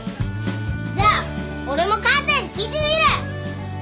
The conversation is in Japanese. じゃあ俺も母ちゃんに聞いてみる！